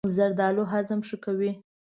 زردالو هضم ښه کوي.